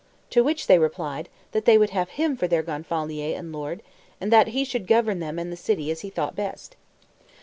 To which they replied, they would have him for their Gonfalonier and lord; and that he should govern them and the city as he thought best.